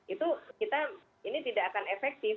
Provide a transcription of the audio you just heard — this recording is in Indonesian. itu kita ini tidak akan efektif